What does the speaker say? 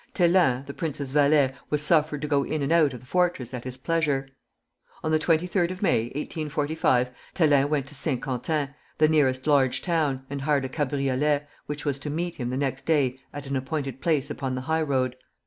Thélin, the prince's valet, was suffered to go in and out of the fortress at his pleasure. On the 23d of May, 1845, Thélin went to St. Quentin, the nearest large town, and hired a cabriolet, which was to meet him the next day at an appointed place upon the high road.